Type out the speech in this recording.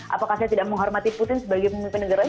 apakah saya tidak menghormati putin sebagai pemimpin negara